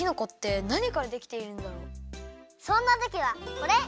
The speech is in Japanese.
そんなときはこれ！